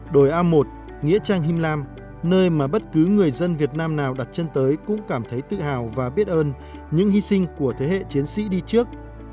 đồi a một nghĩa trang him lam nơi mà bất cứ người dân việt nam nào đặt chân tới cũng cảm thấy tự hào và biết ơn những hy sinh của thế hệ chiến sĩ đi trước